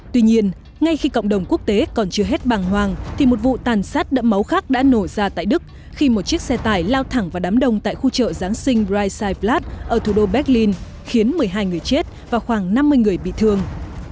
tuy nhiên ngay khi cộng đồng quốc tế còn chưa hết bằng hoàng thì một vụ tàn sát đẫm máu khác đã nổ ra tại đức khi một chiếc xe tải lao thẳng vào đám đông tại khu chợ giáng sinh raisite flat ở thủ đô berlin khiến một mươi hai người chết và khoảng năm mươi người bị thương